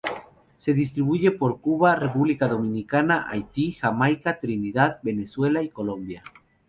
Se distribuye por Cuba, República Dominicana, Haití, Jamaica, Trinidad, Venezuela y Colombia.